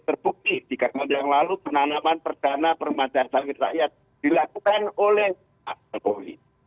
terbukti tiga tahun yang lalu penanaman perdana permajaan sawit rakyat dilakukan oleh pak jokowi